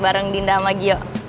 bareng dinda sama gio